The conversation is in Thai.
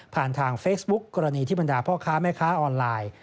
ทางเฟซบุ๊คกรณีที่บรรดาพ่อค้าแม่ค้าออนไลน์